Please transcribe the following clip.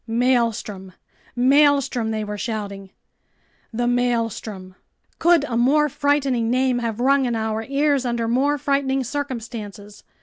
"Maelstrom! Maelstrom!" they were shouting. The Maelstrom! Could a more frightening name have rung in our ears under more frightening circumstances?